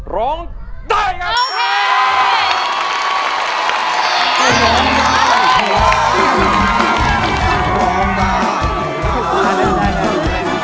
ร้องได้ยังไง